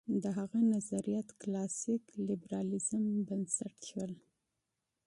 د هغه نظریات کلاسیک لېبرالېزم بنسټ شول.